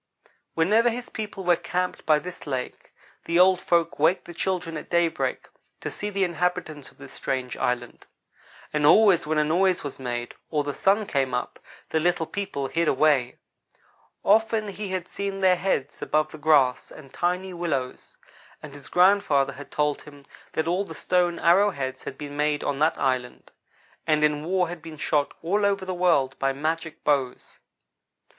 Whenever his people were camped by this lake the old folks waked the children at daybreak to see the inhabitants of this strange island; and always when a noise was made, or the sun came up, the little people hid away. Often he had seen their heads above the grass and tiny willows, and his grandfather had told him that all the stone arrow heads had been made on that island, and in war had been shot all over the world, by magic bows.